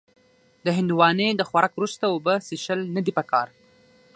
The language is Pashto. د هندوانې د خوراک وروسته اوبه څښل نه دي پکار.